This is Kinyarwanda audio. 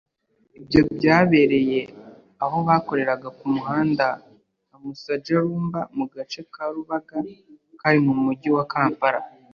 Ibyo byabereye aho bakoreraga ku muhanda wa Musajjalumba mu gace ka Lubaga kari mu mujyi wa Kampala